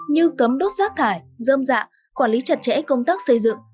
như cấm đốt rác thải dơm dạ quản lý chặt chẽ công tác xây dựng